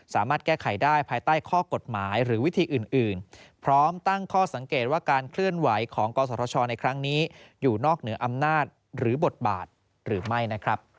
สามารถแก้ไขได้ภายใต้ข้อกฎหมายหรือวิธีอื่น